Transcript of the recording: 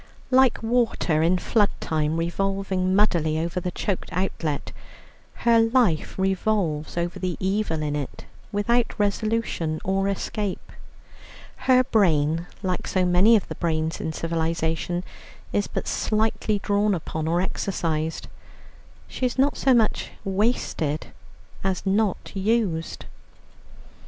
Like water in flood time revolving muddily over the choked outlet, her life revolves over the evil in it without resolution or escape; her brain, like so many of the brains in civilization, is but slightly drawn upon or exercised; she is not so much wasted as not used.